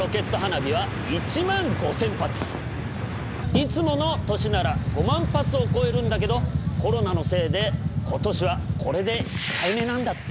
いつもの年なら５万発を超えるんだけどコロナのせいで今年はこれで控えめなんだって。